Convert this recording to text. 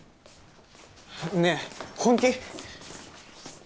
ねえ本気？